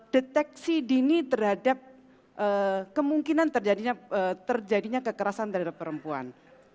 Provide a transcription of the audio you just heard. deteksi dini terhadap kemungkinan terjadinya kekerasan terhadap perempuan